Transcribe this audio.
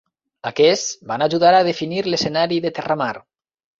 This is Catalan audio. Aquests van ajudar a definir l'escenari de Terramar.